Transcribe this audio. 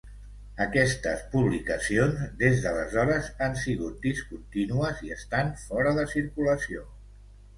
Aquestes publicacions, des d'aleshores han sigut discontinues i estan fora de circulació.